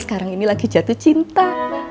sekarang ini lagi jatuh cinta